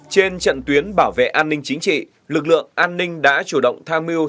trên trận tuyến bảo vệ an ninh chính trị lực lượng an ninh đã chủ động tham mưu